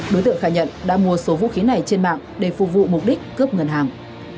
đối tượng khai nhận đã mua số vũ khí này trên mạng để phục vụ mục đích cướp ngân hàng